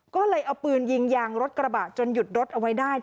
ก็เลยเอาปืนยิงยางรถกระบะจนหยุดรถเอาไว้ได้